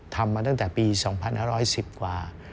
ทำมาตั้งแต่ปี๒๕๑๐กว่า